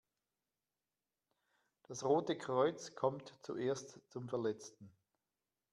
Das Rote Kreuz kommt zuerst zum Verletzten.